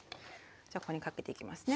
じゃあここにかけていきますね。